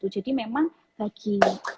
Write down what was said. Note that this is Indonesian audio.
jadi memang bagi